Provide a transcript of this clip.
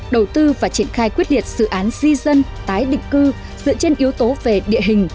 đầu tư và triển khai quyết liệt dự án di dân tái định cư dựa trên yếu tố về địa hình